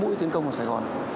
mũi tiến công vào sài gòn